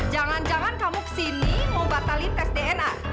jangan jangan kamu kesini mau batalin tes dna